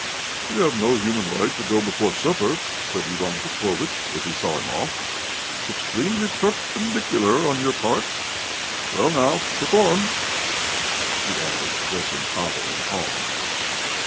"You have no human right to go before supper," said Ivan Petrovitch as he saw him off. "It's extremely perpendicular on your part. Well, now, perform!" he added, addressing Pava in the hall.